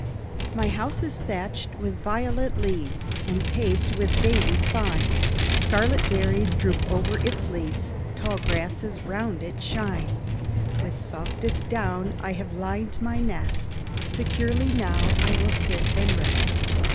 "My house is thatched with violet leaves And paved with daisies fine, Scarlet berries droop over its eaves, Tall grasses round it shine; With softest down I have lined my nest, Securely now will I sit and rest.